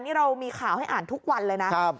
นี่เรามีข่าวให้อ่านทุกวันเลยนะ